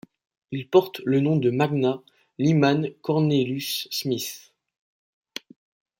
Il porte le nom du magnat Lyman Cornelius Smith.